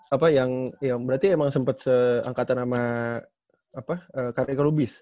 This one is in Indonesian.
apa yang berarti emang sempet seangkatan sama kariko rubis